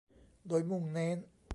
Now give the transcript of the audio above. โดยมุ่งเน้น